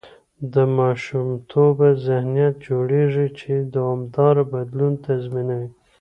د ماشومتوبه ذهنیت جوړېږي، چې دوامداره بدلون تضمینوي.